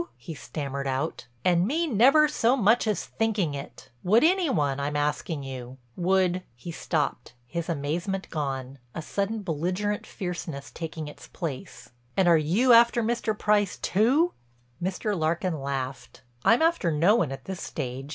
he stammered out, "and me never so much as thinking it! Would any one, I'm asking you? Would—" he stopped, his amazement gone, a sudden belligerent fierceness taking its place, "And are you after Mr. Price too?" Mr. Larkin laughed: "I'm after no one at this stage.